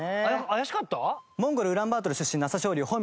怪しかった？